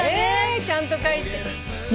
ちゃんとかいて。